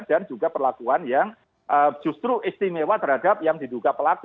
dan juga perlakuan yang justru istimewa terhadap yang diduga pelaku